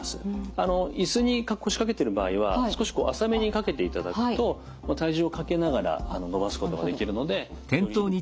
椅子に腰掛けてる場合は少し浅めに掛けていただくと体重をかけながら伸ばすことができるのでより有効に。